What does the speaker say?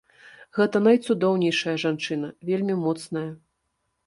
Гэта найцудоўнейшая жанчына, вельмі моцная.